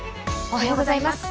おはようございます。